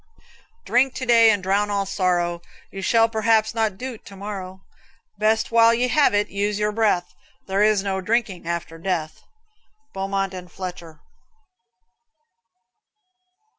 Drink to day and drown all sorrow; You shall perhaps not do't to morrow; Best while you have it, use your breath; There is no drinking after death. Beaumont and Fletcher.